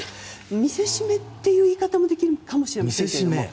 見せしめという言い方もできるかもしれませんけれども。